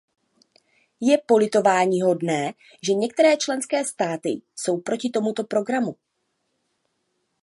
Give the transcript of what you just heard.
Je politováníhodné, že některé členské státy jsou proti tomuto programu.